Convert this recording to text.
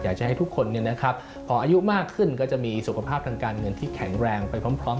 อยากจะให้ทุกคนพออายุมากขึ้นก็จะมีสุขภาพทางการเงินที่แข็งแรงไปพร้อม